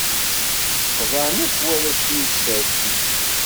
Xḍan akk warrac-nni i tsertit.